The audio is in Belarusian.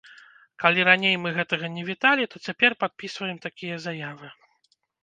Калі раней мы гэтага не віталі, то цяпер падпісваем такія заявы.